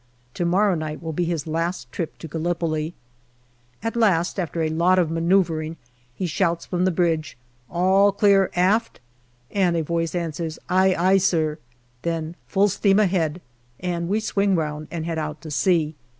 To morrow night will be his last trip to Gallipoli. At last, after a lot of manoeuvring, he shouts from the bridge "All clear aft ?" and a voice answers, "Aye, aye, sir," then " Full steam ahead," and we swing round and head out to sea.